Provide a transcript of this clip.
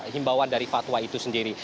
himbawan dari fatwa itu sendiri